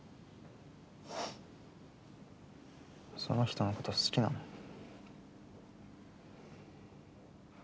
その人のこと好きなの？